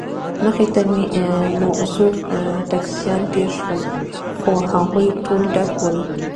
مخې ته مو څو ټکسیان تېر شول، خو هغوی ټول ډک ول.